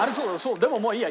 でももういいや。